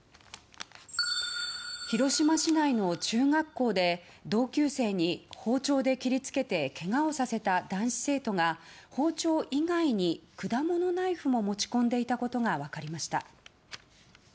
広島市内の中学校で同級生に包丁で切り付けてけがをさせた男子生徒が包丁以外に、果物ナイフも持ち込んでいたことが分かりました。